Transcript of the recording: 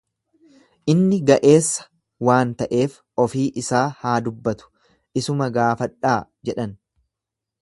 Inni ga'eessa waan ta'ee ofii isaa haa dubbatu, isuma gaafadhaa jedhan.